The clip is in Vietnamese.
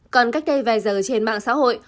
còn cách đây vài giờ trên mạng xã hội